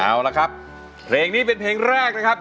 เอาละครับเพลงนี้เป็นเพลงแรกนะครับ